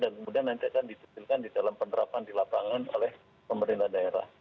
dan kemudian nanti akan disimpilkan di dalam penerapan di lapangan oleh pemerintah daerah